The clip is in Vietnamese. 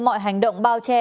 mọi hành động bao che